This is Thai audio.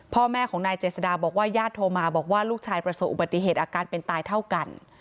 พ่อแม่ของนายเจษฎาบอกว่าญาติโทรมาบอกว่าลูกชายประสบอุบัติเหตุอาการเป็นตายเท่ากัน